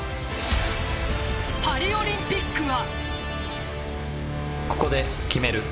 パリオリンピックは。